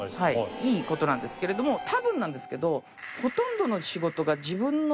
いいことなんですけれどもたぶんなんですけど。